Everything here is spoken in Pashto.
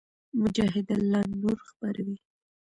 مجاهد د الله نور خپروي.